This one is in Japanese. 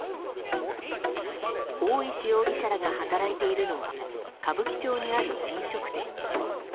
大石容疑者らが働いているのは歌舞伎町にある飲食店。